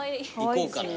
行こうかな。